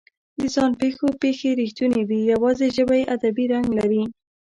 د ځان پېښو پېښې رښتونې وي، یواځې ژبه یې ادبي رنګ لري.